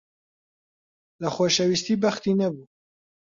لە خۆشەویستی بەختی نەبوو.